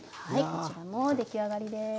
こちらも出来上がりです。